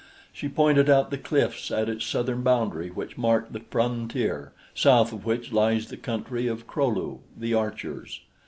She pointed out the cliffs at its southern boundary, which mark the frontier, south of which lies the country of Kro lu the archers.